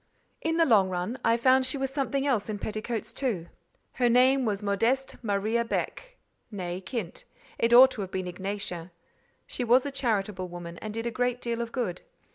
In the long run, I found she was something else in petticoats too. Her name was Modeste Maria Beck, née Kint: it ought to have been Ignacia. She was a charitable woman, and did a great deal of good.